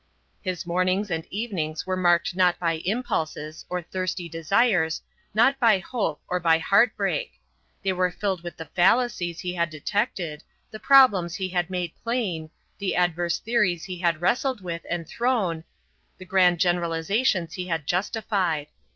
His mornings and evenings were marked not by impulses or thirsty desires, not by hope or by heart break; they were filled with the fallacies he had detected, the problems he had made plain, the adverse theories he had wrestled with and thrown, the grand generalizations he had justified.